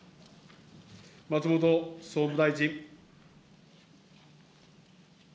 松本総務大臣。